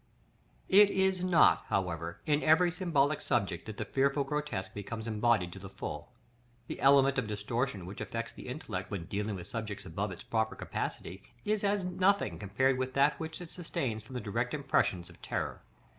§ LXV. It is not, however, in every symbolical subject that the fearful grotesque becomes embodied to the full. The element of distortion which affects the intellect when dealing with subjects above its proper capacity, is as nothing compared with that which it sustains from the direct impressions of terror.